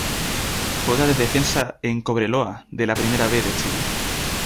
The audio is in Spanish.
Juega de defensa en Cobreloa de la Primera B de Chile.